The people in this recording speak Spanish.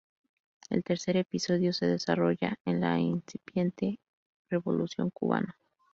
El tercer episodio se desarrolla en la incipiente Revolución cubana.